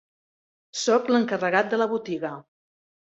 Soc l'encarregat de la botiga.